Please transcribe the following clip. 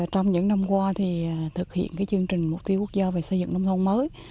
trong những năm qua thực hiện chương trình mục tiêu quốc gia về xây dựng nông thôn mới